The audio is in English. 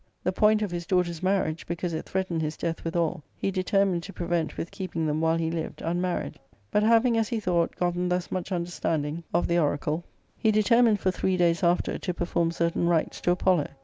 The point of his daughters' marriage, because it threatened his death withal, he determined to prevent with keeping them, while he lived, unmarried. But having, as he thought, gotten thus much understanding of the oracle, 232 ARCADIA.— Book II. he determined for three days after to perform certain rites to Apollo.